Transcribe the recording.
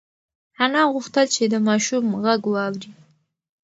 انا غوښتل چې د ماشوم غږ واوري.